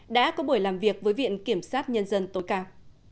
đã có buổi làm việc với viện kiểm sát nhân dân tối cao